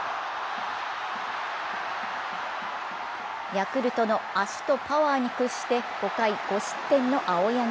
ヤクルトの足とパワーに屈して、５回、５失点の青柳。